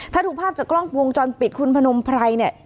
ถ้าดูภาพจากกล้องวงจรปิดคุณพนมไพรเนี่ย